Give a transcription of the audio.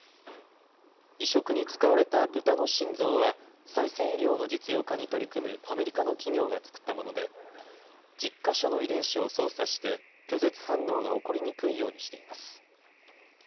移植に使われたブタの心臓は再生医療の実用化に取り組むアメリカの企業が作ったもので１０か所の遺伝子を操作して拒絶反応が起こりにくいようにしています。